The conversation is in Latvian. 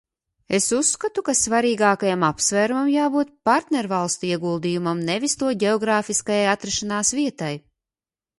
Es uzskatu, ka svarīgākajam apsvērumam jābūt partnervalstu ieguldījumam, nevis to ģeogrāfiskajai atrašanās vietai.